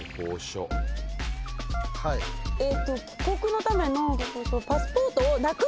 えーっと帰国のための。